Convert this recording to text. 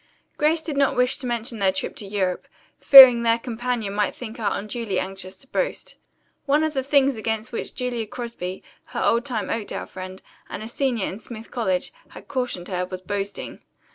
Grace did not wish to mention their trip to Europe, fearing their companion might think her unduly anxious to boast. One of the things against which Julia Crosby, her old time Oakdale friend, and a senior in Smith College, had cautioned her, was boasting.